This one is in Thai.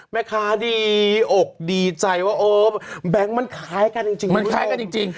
แม่ค้าดีอกดีใจว่าแบงค์มันคล้ายกันจริง